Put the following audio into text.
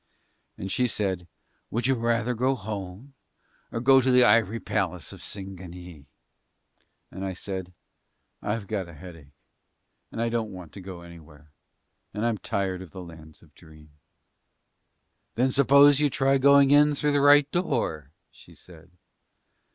And she said, "Would you rather go home or go to the ivory palace of Singanee." And I said, "I've got a headache, and I don't want to go anywhere, and I'm tired of the Lands of Dream." "Then suppose you try going in through the right door," she said.